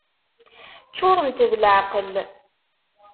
Ččurent d leεqel!